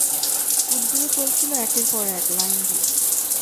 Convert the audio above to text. উটগুলো চলছিল একের পর এক, লাইন দিয়ে।